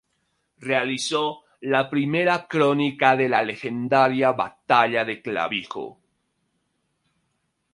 Realizó la primera crónica de la legendaria batalla de Clavijo.